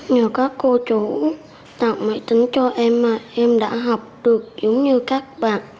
nhờ các cô chủ tặng máy tính cho em mà em đã học được giống như các bạn